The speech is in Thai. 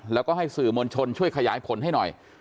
แล้วก็ให้สื่อมวลชนช่วยขยายผลให้หน่อย